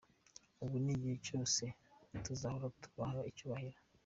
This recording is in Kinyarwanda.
Ubu n’igihe cyose, tuzahora tubaha icyubahiro.